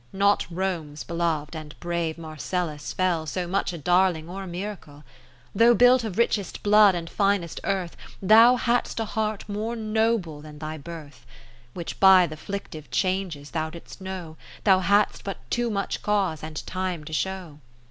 Not Rome's Belov'd, and brave Marcel) us, fell So much a darling or a miracle. 20 Though built of richest blood and finest earth, Thou hadst a heart more noble than thy birth ; Which by th' afflictive Changes thou didst know, Thou hadst but too much cause and time to show.